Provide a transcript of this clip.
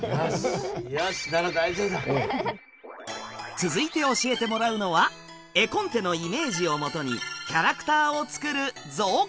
続いて教えてもらうのは絵コンテのイメージをもとにキャラクターを作る「造形」。